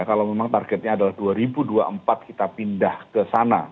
kalau memang targetnya adalah dua ribu dua puluh empat kita pindah ke sana